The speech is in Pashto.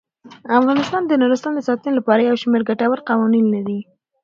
افغانستان د نورستان د ساتنې لپاره یو شمیر ګټور قوانین لري.